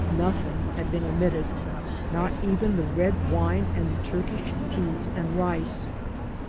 Nothing had been omitted — ^not even the red wine and the Turkish peas and rice.